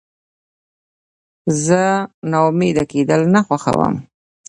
زه ناامیده کېدل نه خوښوم.